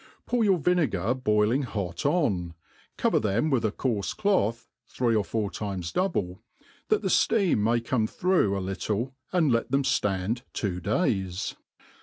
Pour your yinegar boiling hot on, cover them with a coarfe cloth, three or four times double, that the fteam may come through a lit* tie, and let them ftand two days.